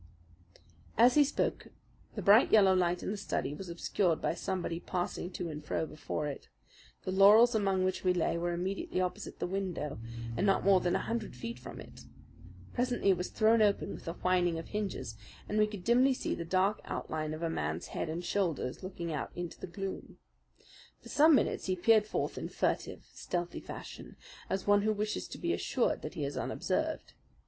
As he spoke the bright, yellow light in the study was obscured by somebody passing to and fro before it. The laurels among which we lay were immediately opposite the window and not more than a hundred feet from it. Presently it was thrown open with a whining of hinges, and we could dimly see the dark outline of a man's head and shoulders looking out into the gloom. For some minutes he peered forth in furtive, stealthy fashion, as one who wishes to be assured that he is unobserved.